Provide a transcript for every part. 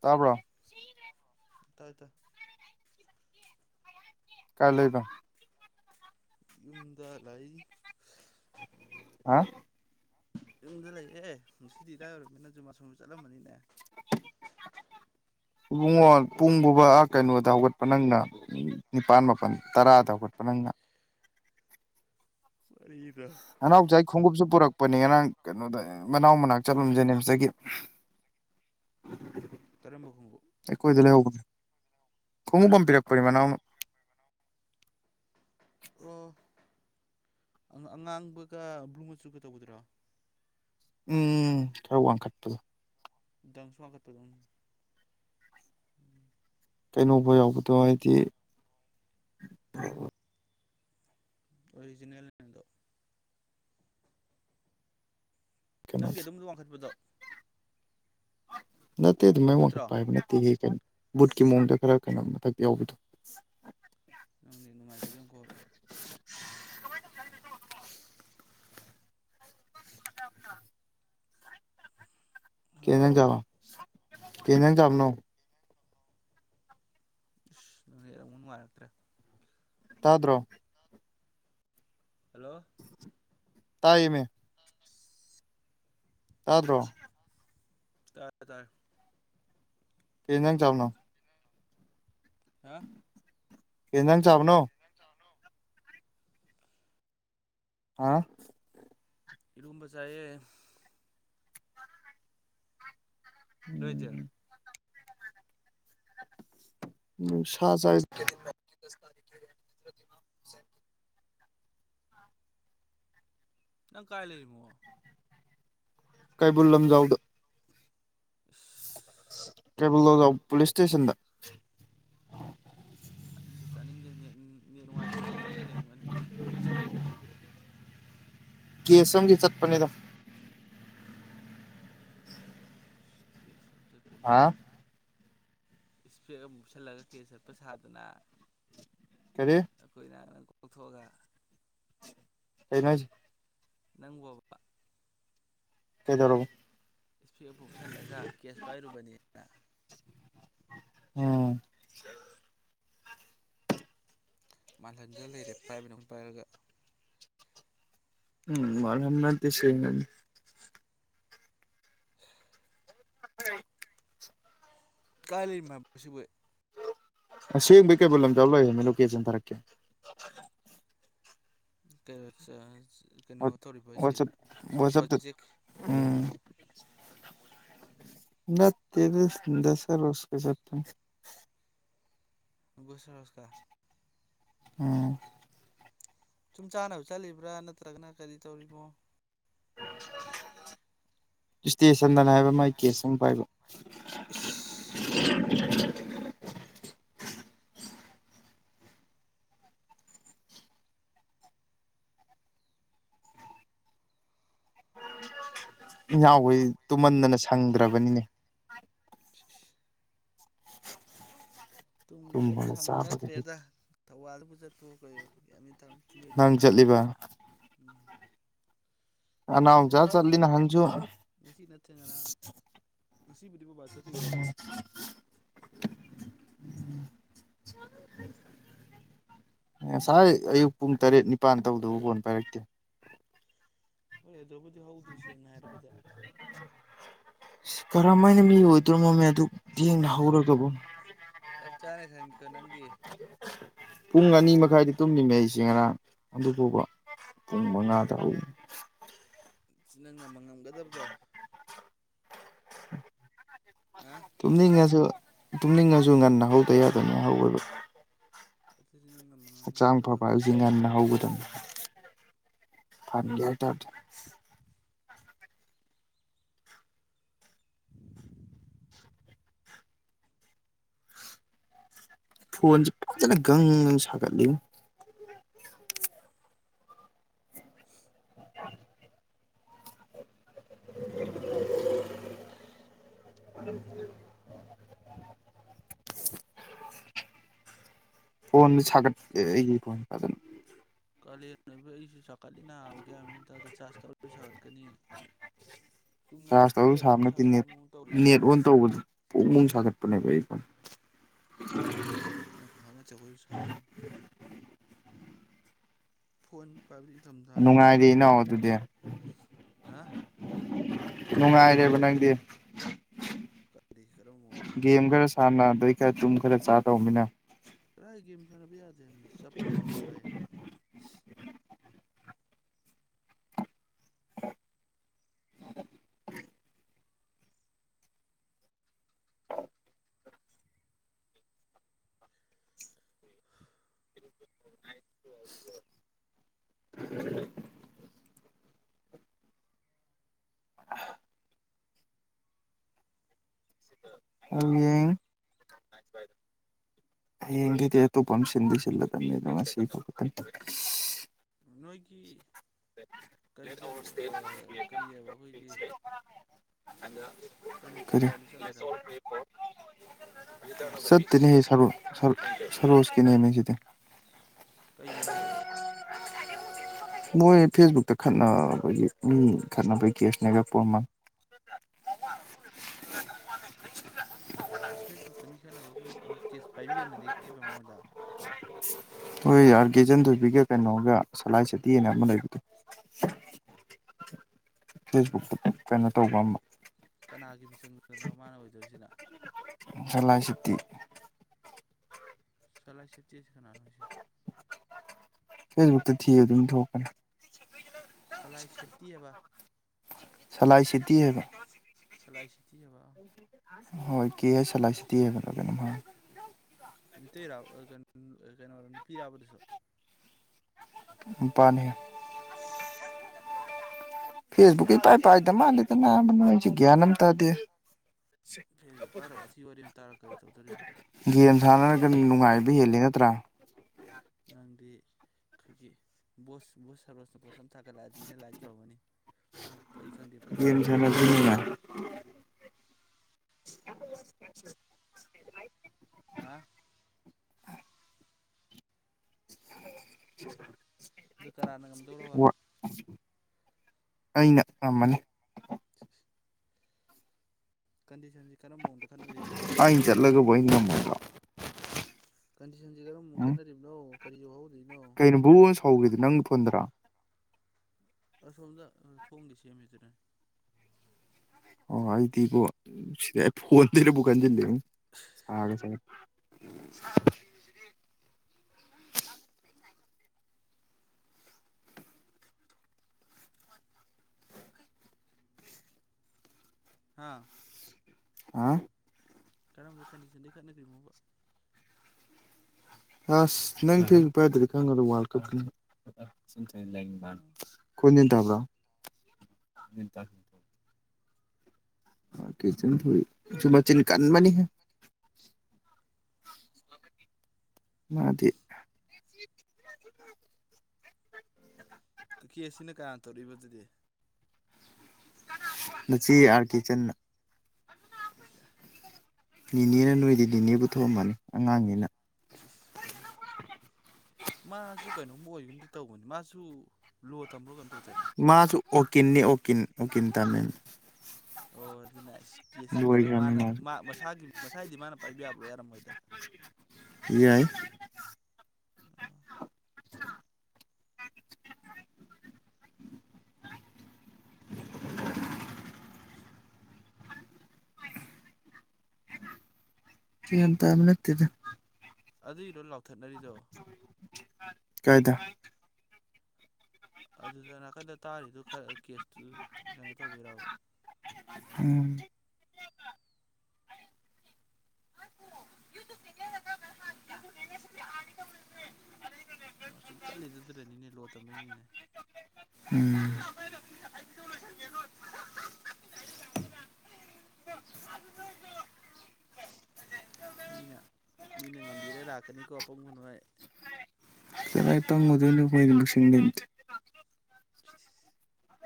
ꯇꯥꯄ ꯇꯥꯏꯇ ꯀꯥꯏ ꯂꯩꯕ ꯌꯨꯝꯗ ꯂꯩ ꯍꯥ ꯌꯨꯝꯗ ꯂꯩꯌꯦꯦ ꯁꯤꯗꯤ ꯏꯔꯥꯏ ꯑꯣꯏꯔꯅꯤꯅ ꯖꯨꯃꯥ ꯁꯨꯝꯕ ꯆꯠꯂꯝꯕꯅꯤꯅꯦ [unintelligible] ꯏꯕꯨꯡꯉꯣ ꯄꯨꯡꯕꯨꯕꯥ ꯀꯩꯅꯣꯗ ꯍꯧꯒꯠꯄ ꯅꯪꯅ ꯅꯤꯄꯥꯜ ꯏꯁ ꯃꯥꯄꯜ ꯏꯁ ꯏꯁ ꯇꯔꯥꯗꯒꯠꯄ ꯅꯪꯅ ꯃꯔꯤꯗ ꯅꯅꯥꯎꯆꯥ ꯈꯣꯡꯎꯞꯁꯨ ꯄꯨꯔꯛꯄꯅꯤ ꯉꯔꯥꯡ ꯀꯩꯅꯣꯗ ꯃꯅꯥꯎ ꯃꯅꯥꯛ ꯆꯠꯂꯝ ꯖꯦꯅꯤꯝꯁꯇꯒꯤ [inaudible] ꯇꯔꯝꯕ ꯀꯒꯨ ꯀꯨꯡ ꯀꯝ ꯄꯤꯔꯛ ꯄꯃꯥꯅ ꯑꯃ ꯑꯣ ꯑꯉꯥꯡꯕꯒ ꯕ꯭ꯂꯨ ꯃꯆꯨꯒ ꯇꯧꯒꯗ꯭ꯔꯣ ꯎꯝ ꯊꯔ ꯋꯥꯡ ꯈꯠꯄꯗ ꯗꯝꯁꯨꯃꯥ ꯀꯇꯣꯗꯝ ꯀꯩꯅꯣꯧꯕ ꯌꯥꯎꯕꯗꯣ ꯍꯥꯏꯗꯤ ꯑꯣꯔꯤꯖꯅꯜꯗꯣ ꯅꯪꯒꯤ ꯀꯩꯅꯣꯗꯣ ꯑꯗꯨꯝꯗ ꯋꯥꯡꯈꯠꯄꯗꯣ ꯅꯠꯇꯦ ꯑꯗꯨꯝ ꯃꯥꯏꯡꯈꯠ ꯅꯠꯇ꯭ꯔꯣ ꯄꯥꯏꯕ ꯅꯠꯇꯦꯒꯤ ꯀꯩꯅꯣ ꯕꯨꯠꯀꯤ ꯃꯑꯣꯡꯗ ꯈꯔ ꯀꯩꯅꯣ ꯃꯊꯛ ꯌꯥꯎꯕꯗꯣ ꯅꯪꯗꯤ ꯅꯨꯡꯉꯥꯏꯖꯕ ꯑꯃ ꯀꯧꯔꯛꯑꯦ ꯀꯩ ꯍꯜꯂꯣ ꯏꯟꯖꯥꯡ ꯆꯥꯕ ꯀꯩ ꯏꯟꯖꯥꯡ ꯆꯥꯕꯅꯣ ꯑꯁ ꯅꯦꯠ ꯑꯃꯨꯛ ꯅꯨꯉꯥꯏꯔꯛꯇ꯭ꯔꯦ ꯇꯥꯗ꯭ꯔꯣ ꯍꯜꯂꯣ ꯇꯏꯃꯦ ꯇꯥꯗꯔꯣ ꯇꯥꯔꯦ ꯇꯔꯦ ꯀꯩ ꯏꯟꯖꯥꯡ ꯆꯥꯕꯅꯣ ꯍꯥ ꯀꯩ ꯏꯟꯖꯥꯡ ꯆꯥꯕꯅꯣ ꯑꯥ ꯏꯔꯣꯝꯕ ꯆꯑꯦ ꯅꯣꯏꯖ ꯁꯥ ꯆꯥꯏ ꯅꯪ ꯀꯥꯏ ꯂꯩꯔꯤꯃꯣ ꯀꯩꯕꯨꯜ ꯂꯝꯖꯥꯎꯗ ꯏꯁ ꯀꯩꯕꯨꯜ ꯂꯝꯖꯥꯎ ꯄꯨꯂꯤꯁ ꯁꯇꯦꯁꯟꯗ ꯆꯥꯅꯤꯡꯗꯦ ꯆꯥꯅꯤꯡꯗꯦ ꯅꯦꯠ ꯅꯨꯉꯥꯏꯇꯔꯤꯁꯦ ꯅꯌꯨꯝꯗ ꯂꯩꯔꯝꯒꯅꯤ ꯀꯦꯁ ꯑꯝꯒꯤ ꯆꯠꯄꯅꯤꯗ ꯏꯁ ꯀꯦꯁ ꯑꯝꯒꯤ ꯆꯇꯄꯅꯦꯌꯦ ꯍꯥ ꯏꯁꯄꯦꯛ ꯑꯃ ꯃꯨꯞꯁꯜꯂꯒ ꯀꯦ ꯆꯠꯄ ꯁꯥꯗꯅ ꯀꯔꯤ ꯑꯩꯈꯣꯏꯅ ꯀ ꯊꯣꯛꯒ ꯀꯩꯅꯣ ꯍꯥꯁ ꯅꯪꯕꯣꯕ ꯀꯩꯗꯧꯔꯕ ꯏꯁꯄꯦꯛ ꯑꯃ ꯎꯞꯁꯜꯂꯒ ꯀꯦꯁ ꯄꯥꯏꯔꯨꯕꯅꯦꯅ ꯎꯝ ꯃꯥꯜꯍꯟꯗ ꯂꯩꯔꯦ ꯄꯥꯏꯕꯅ ꯑꯃꯝ ꯄꯥꯏꯔꯒ ꯎꯝ ꯃꯜꯍꯟꯕꯟꯇꯦ ꯁꯦꯡꯅꯅꯤ [inaudible] ꯀꯥꯏ ꯂꯩꯃꯣꯕ ꯁꯦꯡꯕꯩ ꯑꯁꯦꯡꯕꯩ ꯀꯩꯕꯨꯜꯂꯝꯖꯥꯎ ꯂꯩꯃꯤ ꯂꯣꯀꯦꯁꯟ ꯊꯥꯔꯛꯀꯦ ꯀꯩꯑꯣꯆꯥꯁ ꯋꯥ ꯋꯥꯁꯑꯞ ꯋꯥꯁꯑꯞꯇ ꯄ꯭ꯔꯣꯖꯦꯛ ꯎꯝ ꯅꯠꯇꯦꯗ ꯗꯥꯀꯂꯣꯁ ꯄꯩꯁꯄꯤ ꯁꯥꯔꯁꯀ ꯎꯝ ꯁꯨꯝ ꯆꯥꯅꯕ ꯆꯠꯂꯤꯕ꯭ꯔꯥ ꯅꯠꯇ꯭ꯔꯒꯅ ꯀꯔꯤ ꯇꯧꯔꯤꯃꯣ [unintelligible] ꯏꯁꯇꯦꯁꯟꯗꯅ ꯍꯥꯏꯕ ꯃꯒꯤ ꯀꯦꯁ ꯑꯃ ꯄꯥꯏꯕꯩ ꯏꯁ [unintelligible] ꯏꯅꯥꯎꯗꯤ ꯇꯨꯝꯃꯟꯗꯅ ꯁꯪꯗ꯭ꯔꯕꯅꯤꯅꯦ ꯇꯨꯡꯒꯦꯒꯗꯨ ꯇꯨꯝꯕꯒ ꯁꯪꯕ ꯆꯥꯕꯒ ꯅꯠꯇ꯭ꯔꯦꯗ ꯊꯧꯕꯥꯜꯗꯕꯨ ꯆꯠꯄꯑꯣ ꯀꯩꯑꯣ ꯒꯌ꯭ꯥꯟ ꯅꯪ ꯅꯣꯏꯗꯧꯅ ꯆꯠꯂꯤꯕ ꯉꯁꯤ ꯑꯅꯥꯎꯆꯥ ꯅꯠꯇꯦꯅ ꯆꯠꯂꯤ ꯅꯍꯥꯟꯁꯨ ꯉꯁꯤ ꯅꯠꯇꯦ ꯉꯔꯥꯡ ꯗꯤꯕꯨꯗꯤ ꯕꯣꯕꯥ ꯆꯇꯈꯤꯋꯦ [unintelligible] [unintelligible] ꯉꯁꯥꯏ ꯑꯌꯨꯛ ꯄꯨꯡ ꯇꯔꯦꯠ ꯅꯤꯄꯥꯟ ꯇꯧꯗꯕ ꯐꯣꯟ ꯄꯥꯏꯔꯛꯇꯦ ꯍꯣꯏ ꯑꯗꯨꯕꯨꯗꯤ ꯍꯧꯗ꯭ꯔꯤ ꯁꯦꯡꯅ ꯍꯥꯏꯔꯕꯗ ꯀꯔꯝ ꯃꯥꯏꯅꯦ ꯃꯤ ꯑꯣꯏꯗ꯭ꯔꯣ ꯃꯣꯃꯦ [unintelligible] ꯄꯨꯡ ꯑꯅꯤ ꯃꯈꯥꯏꯗꯤ ꯇꯨꯝꯃꯤꯃꯦ ꯑꯩꯁꯦ ꯉꯔꯥꯡ ꯑꯗꯨ ꯐꯥꯎꯕ ꯊꯅꯗ [unintelligible] ꯅꯪꯅ ꯃꯪꯉꯝꯒꯗꯕꯗꯣ ꯑ ꯇꯨꯝꯅꯤꯡꯉꯁꯨ ꯇꯨꯝꯅꯤꯡꯉꯁꯨ ꯉꯟꯅ ꯍꯧꯗ ꯌꯥꯗꯣꯏꯅꯤ ꯍꯧꯋꯦꯕ ꯑꯗꯨꯗꯤ ꯅꯪꯅ ꯍꯛꯆꯥꯡ ꯃꯪꯉꯝꯒꯗꯕꯗꯣ ꯐꯕ ꯍꯥꯏꯁꯤ ꯉꯟꯅ ꯍꯧꯒꯗꯕꯅꯤ ꯐ [unintelligible] ꯐꯣꯟꯁꯦ ꯐꯖꯅ ꯒꯪ ꯁꯥꯒꯠꯂꯤ [unintelligible] ꯐꯣꯟꯗꯨ ꯁꯥꯒꯠ ꯑꯩꯒꯤ ꯐꯣꯟ ꯁꯥꯒꯠ ꯀꯥꯂꯦꯟ ꯑꯩꯁꯨ ꯁꯥꯒꯠꯂꯤꯅ ꯆꯥꯔꯖ ꯇꯧꯔꯁꯨ ꯁꯥꯒꯠꯀꯅꯤ [unintelligible] ꯆꯨꯝꯅ ꯆꯥꯔꯖ ꯑꯗꯨꯝ ꯇꯧꯔꯁꯨ ꯁꯥꯕ ꯂꯩꯔꯁꯨ ꯅꯠꯇꯦ ꯁꯥꯒꯠꯄꯩ ꯅꯦꯠ ꯃꯑꯣꯡ ꯇꯧꯔꯤꯑꯕ ꯅꯦꯠ ꯑꯣꯟ ꯇꯧꯕꯗ ꯄꯨꯛ ꯅꯨꯡ ꯁꯥꯒꯠꯄꯅꯦꯕ ꯑꯩ ꯐꯣꯟ ꯑ ꯑ ꯆꯈꯁꯨ ꯁꯥꯔꯦ ꯐꯣꯟ ꯄꯥꯏꯕꯗꯤ ꯅꯤꯡꯊꯝꯊꯥ ꯍꯅ ꯅꯨꯡꯉꯥꯏꯔꯦ ꯅꯨꯡꯉꯥꯏꯕꯅꯤꯗ ꯏꯅꯥꯎ ꯑꯗꯨꯗꯤ ꯍꯥ ꯅꯨꯡꯉꯥꯏꯔꯦꯕ ꯅꯪꯗꯤ ꯀꯔꯤ ꯀꯔꯝꯕ ꯃꯑꯣꯡꯗ ꯒꯦꯝ ꯅꯨꯡꯉꯥꯏꯔꯤꯕ ꯈꯔ ꯁꯥꯟꯅ ꯑꯗꯩ ꯈꯔ ꯇꯨꯝ ꯈꯔ ꯆꯥꯗꯧꯕꯅꯤꯅ ꯔꯥꯏꯒ ꯊꯔ ꯌꯥꯗꯅꯤ ꯆꯄꯕ ꯁꯥꯏꯕ ꯑ ꯎꯝ ꯑꯡ ꯑꯩ ꯌꯦꯗꯤꯦꯛꯇꯄꯝ ꯆꯤꯟꯟꯗꯤꯁꯤꯂ ꯇ ꯅ ꯅꯣꯏꯒꯤ [unintelligible] ꯀꯔꯤ ꯆꯠ ꯀꯔꯤ ꯍꯥꯏꯕ ꯑꯩꯈꯣꯏꯒꯤ ꯀꯩꯅꯣ ꯍ ꯆꯠꯄ ꯍꯥꯏꯗꯨ ꯆꯠꯂꯤꯔꯕ ꯀꯦꯝ ꯁꯠ ꯇ ꯀꯦꯝ ꯅꯍ ꯁꯔꯨ ꯁꯔ ꯁꯔꯣꯁꯀꯤ ꯅ ꯃꯁꯤꯗꯤ ꯀꯩꯒꯤꯅꯣꯕ ꯃꯣꯏ ꯐꯦꯁꯕꯨꯛꯇ ꯈꯠꯅꯕꯒꯤ ꯃꯤ ꯈꯠꯅꯕꯩ ꯀꯦꯁꯅꯦꯒꯛꯄꯣꯔꯃꯜ [unintelligible] ꯑꯣ ꯐꯦꯁꯕꯨꯛꯇ ꯃꯤ ꯈꯠꯅꯕꯒꯤ ꯀꯦꯁ ꯄꯥꯏꯕꯤꯌꯨꯅꯉꯦꯕ ꯃꯉꯣꯟꯗ ꯍꯣꯏ ꯑꯥꯔꯒꯦꯖꯟ ꯊꯣꯏꯕꯤꯒ ꯀꯩꯅꯣꯒ ꯁꯂꯥꯏ ꯁꯇꯤꯅ ꯑꯃ ꯂꯩꯕꯗꯣ ꯐꯦꯁꯕꯨꯛꯇ ꯑꯗꯨ ꯀꯩꯅꯣ ꯇꯧꯕ ꯑꯃ ꯀꯅꯥꯒꯤ ꯃꯤꯆꯪꯗꯨꯗꯅꯣ ꯃꯥꯅ ꯑꯣꯏꯗꯣꯔꯤꯁꯤꯅ ꯁꯂꯥꯏ ꯁꯇꯤ ꯁꯂꯥꯏ ꯁꯇꯤꯁ ꯐꯦꯁꯕꯨꯛ ꯇ ꯊ ꯑꯗꯨ ꯊꯣꯛꯀꯅꯤ ꯁꯂꯥꯏ ꯁꯦꯞꯇꯤ ꯍꯥꯏꯕ ꯁꯂꯥꯏ ꯁꯤꯇꯤ ꯍꯕ ꯁꯂꯥꯏ ꯁꯤꯇꯤꯑꯕ ꯍꯣꯏ ꯀꯦ ꯁꯂꯥꯏꯁꯤꯗꯤꯤ ꯍꯥꯏꯒꯗꯕꯅꯝ ꯔ ꯀꯩꯅꯣ ꯅꯨꯄꯤꯔꯥꯕꯗꯨꯁꯨ ꯄꯥꯅꯤꯅꯤ ꯐꯦꯁꯕꯨꯀꯦ ꯄꯥꯏ ꯄꯥꯏꯗ ꯃꯥꯗ ꯅꯝ ꯇꯥꯗꯤ ꯐꯦꯁꯕꯨꯛ ꯄꯥꯏꯔꯒ ꯋꯥꯊꯤ ꯋꯥꯔꯦꯝ ꯇꯥꯔ ꯀꯔꯤ ꯇꯧꯗꯣꯔꯤꯕ ꯒꯦꯝ ꯁꯥꯟꯅꯔꯒ ꯅꯨꯡꯉꯥꯏꯕ ꯍꯦꯜꯂꯤ ꯅꯠꯇ꯭ꯔꯥ ꯅꯪꯗꯤ ꯑꯩꯣꯁ ꯁꯔꯁꯅ ꯄꯣ ꯊꯒꯠꯂꯛꯑꯗꯤꯅ ꯂꯥꯏꯔꯤꯛ ꯇꯧꯔꯔꯕꯅꯤ ꯑ ꯄꯛ ꯑꯩ ꯈꯪꯗꯦ ꯄꯛꯗꯦ ꯒꯦꯝ ꯈꯪꯗꯦ ꯁꯥꯟꯅꯕꯁꯤ ꯅꯨꯡꯉꯥꯏ [unintelligible] [inaudible] ꯍꯥ [inaudible] ꯑ [inaudible] [unintelligible] [inaudible] ꯑꯗꯨ ꯀꯔꯥꯅ ꯉꯝꯗꯧꯕ ꯑꯩꯅ ꯊꯝꯕꯅꯤ ꯀꯟꯗꯤꯁꯟꯁꯤ ꯀꯔꯝꯕ ꯃꯑꯣꯡꯗ ꯈꯪꯅꯔꯤꯕꯅꯣ ꯑꯩꯅ ꯍꯥꯏꯕꯅꯤꯗ ꯆꯠꯂꯒꯕꯨ ꯑꯩꯅ ꯉꯝꯃꯣꯏꯗ꯭ꯔꯣ ꯀꯟꯗꯤꯁꯟꯁꯤ ꯀꯔꯝ ꯎꯝ ꯈꯠꯅꯔꯤꯕꯅꯣ ꯀꯔꯤ ꯌꯧꯍꯧꯔꯤꯅꯣ ꯀꯩꯅꯣ ꯕꯣꯟ ꯁꯥꯎꯒꯦꯗ ꯅꯪ ꯊꯣꯟꯗ꯭ꯔꯥ ꯑꯁꯣꯝꯗ ꯊꯣꯡꯒꯦ ꯁꯦꯝꯃꯤꯗꯨꯔ ꯑꯣꯗꯤ ꯐꯟꯔ ꯄꯨ ꯆ ꯁꯥꯔꯦ ꯁꯔꯦ ꯍꯥꯥ ꯑ [inaudible] ꯀꯔꯝꯕ ꯀꯟꯗꯤꯁꯟꯗꯤ ꯈꯠꯅꯈ꯭ꯔꯤꯅꯣꯕ ꯑꯁ ꯅꯪ ꯊ ꯄꯥꯏꯗꯗꯤ ꯈꯪꯉꯗ ꯋꯥꯔ ꯀꯞ ꯂꯩꯅꯤ ꯃꯥꯅꯤ ꯑꯩꯣꯏ ꯅꯟ ꯇꯥꯕ꯭ꯔꯣ ꯆ ꯊ ꯆꯃ ꯆꯤꯟꯀꯕꯅꯤ ꯍꯥꯏ ꯃꯥꯗꯤ [unintelligible] [inaudible] ꯀꯀꯤ ꯑꯁꯤꯅ ꯀꯅꯥ ꯇꯧꯔꯛꯏꯕꯗꯨꯗꯤ ꯃꯆꯦ ꯑꯥꯔ ꯀꯦꯆꯟꯅ ꯅꯤꯅꯦꯅ ꯅꯣꯏꯗꯤ ꯅꯅꯦꯕꯨ ꯊꯣꯝꯃꯅꯤ ꯑꯉꯥꯡꯅꯤꯅ ꯅꯤ [inaudible] ꯃꯥꯁꯨ ꯀꯩꯅꯣꯝꯃ ꯑꯣꯏꯒꯨꯝꯗꯤ ꯇꯧꯕꯅꯤ ꯃꯥꯁꯨ ꯂꯣ ꯊꯝꯕ꯭ꯔꯣ ꯀꯝ ꯇꯧ ꯃꯥꯁꯨ ꯑꯣꯀꯤꯅꯤ ꯑꯣ ꯑꯣ ꯀꯟ ꯇ ꯃ ꯑꯣ ꯑꯗꯨꯅꯥ ꯀꯦꯁ ꯂꯥꯡ ꯇꯔꯒ ꯃꯥꯅ ꯃꯥꯁꯨ ꯃꯁꯥꯒꯤ ꯃꯁꯥꯗꯤ ꯃꯥꯅ ꯄꯥꯏꯕ ꯌꯥꯕ꯭ꯔꯣ ꯌꯥꯔꯝꯃꯣꯏꯗ ꯌꯥꯏ ꯁꯤ ꯇ ꯅꯠꯇꯗ ꯑꯗꯨꯏꯔꯣ ꯂꯥꯎꯊꯠꯅꯔꯤꯗꯣ ꯀꯥꯏꯗ ꯑꯗꯨꯗ ꯅꯥꯀꯟꯗ ꯇꯥꯔꯤꯗꯨꯣ ꯈꯔ ꯀꯦꯁꯇꯨ ꯀꯩꯅꯣ ꯇꯧꯕꯤꯔꯕ ꯎꯝ ꯌ ꯅꯨꯡꯁꯤꯠ ꯀꯠꯂꯤꯗꯗꯨꯅꯅꯤꯅꯦ ꯂꯣ ꯇꯝꯕꯩꯅꯤꯅꯦ ꯎꯝ ꯃꯤꯅ ꯃꯤꯅ ꯉꯝꯕꯤꯔ ꯂꯥꯛꯀꯅꯤꯀꯣ ꯑꯄꯪꯕ ꯅꯣꯏ ꯇꯪꯉꯗꯁꯤ [inaudible]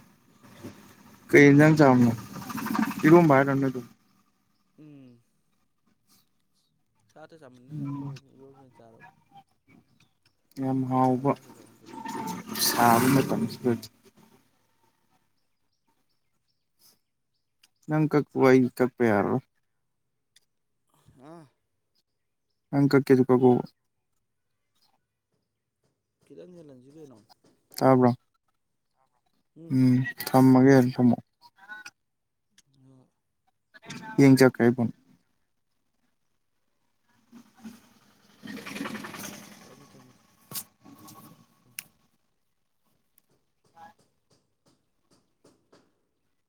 [unintelligible] [inaudible] ꯀꯩꯖꯅ ꯆꯅ ꯏꯔ ꯔꯅ ꯇ ꯎꯝ ꯁꯥꯇ ꯆꯝꯟꯅ ꯀꯩꯅꯣ ꯇꯧꯋ ꯆꯥꯔꯔꯕꯣ ꯌꯥꯝ ꯍꯥꯎꯕ ꯑꯣꯏꯅ ꯆꯥꯔꯕ ꯁꯥ ꯉꯥ ꯆꯥꯃꯟꯗꯅ ꯌꯥꯗ꯭ꯔꯦꯕ ꯁꯥꯕ ꯃꯇꯝꯁꯤꯗꯗꯤ ꯉꯪ ꯀꯛꯄ ꯏ ꯀꯛꯄꯦꯔꯣ ꯑ [inaudible] ꯍꯪ ꯀ ꯀꯦꯁꯨ ꯀ ꯀꯧꯕ ꯀꯗꯪ ꯆꯂꯁꯤ ꯀꯅ ꯇꯕ꯭ꯔꯣ ꯎꯝ ꯊꯝꯃꯒꯦ ꯊꯃꯣ ꯍꯣꯏ ꯌꯦꯡꯖꯛꯀꯥꯏꯕꯣꯟ ꯊꯃ ꯊꯃ